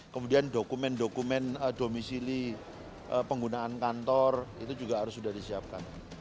kemudian dokumen dokumen domisili penggunaan kantor itu juga harus sudah disiapkan